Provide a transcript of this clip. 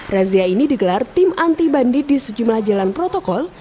razia ini digelar tim anti bandit di sejumlah jalan protokol